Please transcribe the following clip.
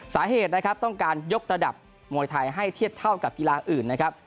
สาเหตุนะครับต้องการยกระดับมวยไทยให้เทียบเท่ากับกีฬาอื่นนะครับ